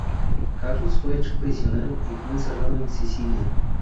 Carlos fue hecho prisionero y fue encerrado en Sicilia.